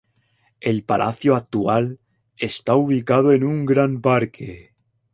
El palacio actual está ubicado en un gran parque.